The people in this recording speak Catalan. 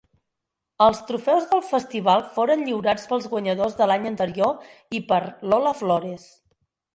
Els trofeus del festival foren lliurats pels guanyadors de l'any anterior i per Lola Flores.